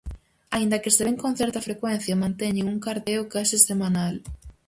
Aínda que se ven con certa frecuencia, manteñen un carteo case semanal.